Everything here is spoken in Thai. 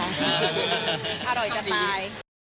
อร่อยจนตาย